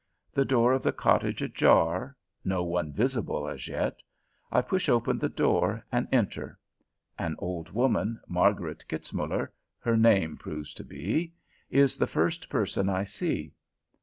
The door of the cottage ajar, no one visible as yet. I push open the door and enter. An old woman, Margaret Kitzmuller her name proves to be, is the first person I see.